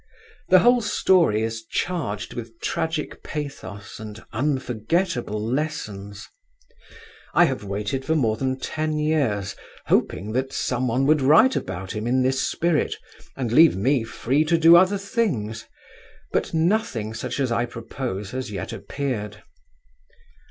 The whole story is charged with tragic pathos and unforgettable lessons. I have waited for more than ten years hoping that some one would write about him in this spirit and leave me free to do other things, but nothing such as I propose has yet appeared.